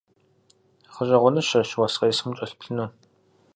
Гъэщӏэгъуэныщэщ уэс къесым укӏэлъыплъыну.